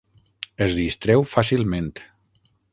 Es distreu fàcilment.